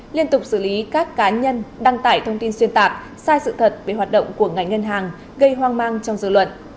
liên tục xử lý các cá nhân đăng tải thông tin xuyên tạc sai sự thật về hoạt động của ngành ngân hàng gây hoang mang trong dự luận